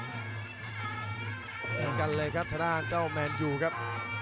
เหมือนกันเลยครับทางด้านเจ้าแมนยูครับ